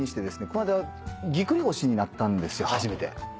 こないだぎっくり腰になったんです初めて。